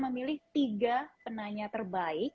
memilih tiga penanya terbaik